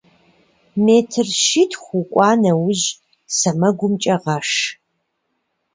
Метр щитху укӏуа нэужь, сэмэгумкӏэ гъэш.